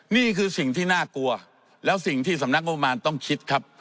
นี่คือสิ่งที่น่ากลัวแล้วสิ่งที่สำนักงบมารต้องคิดครับ